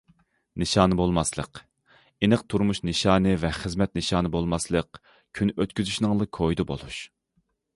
نىشانى بولماسلىق ئېنىق تۇرمۇش نىشانى ۋە خىزمەت نىشانى بولماسلىق، كۈن ئۆتكۈزۈشنىڭلا كويىدا بولۇش.